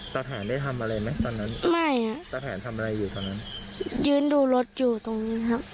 สถานได้ทำอะไรไหมตอนนั้นไม่ฮะสถานทำอะไรอยู่ตอนนั้นยืนดูรถอยู่ตรงนี้ครับ